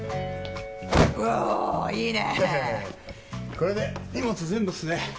これで荷物全部っすね。